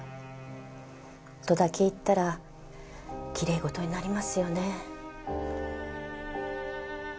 とだけ言ったらきれい事になりますよね。